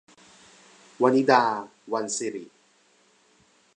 วนิดา - วรรณสิริ